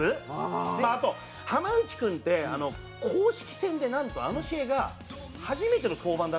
まああと濱内君って公式戦でなんとあの試合が初めての登板だった。